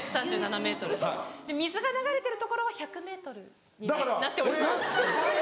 水が流れてる所は１００ｍになっております。